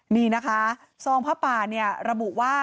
มีนะคะซองผ้าป่าระบุว่า